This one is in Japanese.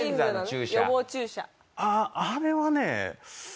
あれはね